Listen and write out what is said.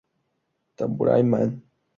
Tambourine Man".